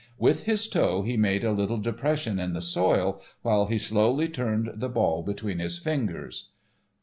With his toe he made a little depression in the soil, while he slowly turned the ball between his fingers.